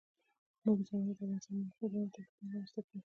زمرد د افغانستان د ناحیو ترمنځ تفاوتونه رامنځ ته کوي.